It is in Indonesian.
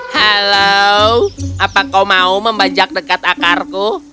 halo apa kau mau membajak dekat akarku